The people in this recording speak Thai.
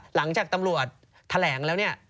หลังจากตำรวจแถลงแล้วเนี่ย